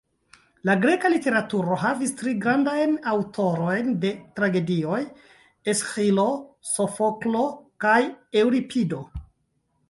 La greka literaturo havis tri grandajn aŭtorojn de tragedioj: Esĥilo, Sofoklo kaj Eŭripido.